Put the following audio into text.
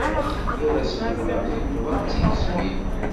Yal asenfar, yebḍa d tigezmin.